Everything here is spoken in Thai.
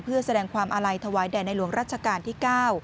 เพื่อแสดงความอาลัยถวายแด่ในหลวงรัชกาลที่๙